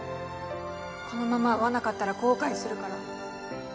このまま会わなかったら後悔するから。